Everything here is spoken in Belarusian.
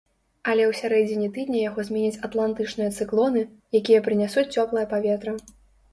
Але ў сярэдзіне тыдня яго зменяць атлантычныя цыклоны, якія прынясуць цёплае паветра.